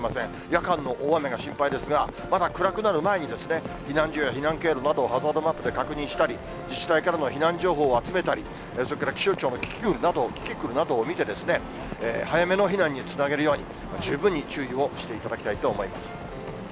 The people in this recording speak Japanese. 夜間の大雨が心配ですが、まだ暗くなる前に、避難所や避難経路などをハザードマップで確認したり、自治体からの避難情報を集めたり、それから気象庁のキキクルなどを見て、早めの避難につなげるように、十分に注意をしていただきたいと思います。